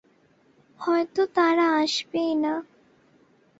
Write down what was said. হয়তো তারা আসবেই না।